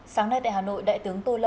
sáng nay tại hà nội đại tướng tô lâm